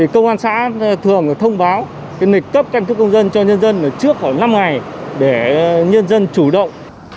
công an xã thường thông báo lịch cấp căn cước công dân cho nhân dân trước khoảng năm ngày để nhân dân chủ động